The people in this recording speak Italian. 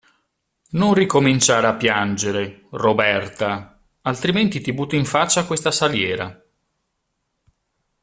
Non ricominciare a piangere, Roberta, altrimenti ti butto in faccia questa saliera.